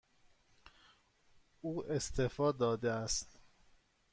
او استعفا داده است.